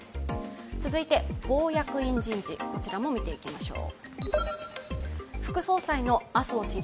続いて、党役員人事も見ていきましょう。